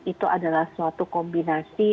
itu adalah suatu kombinasi